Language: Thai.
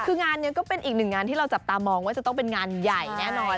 คืองานนี้ก็เป็นอีกหนึ่งงานที่เราจับตามองว่าจะต้องเป็นงานใหญ่แน่นอน